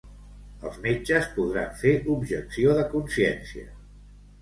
Els metges podran fer objecció de consciència.